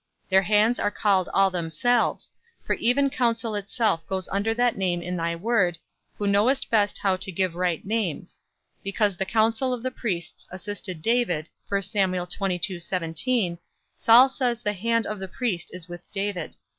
Their hands are called all themselves; for even counsel itself goes under that name in thy word, who knowest best how to give right names: because the counsel of the priests assisted David, Saul says the hand of the priest is with David.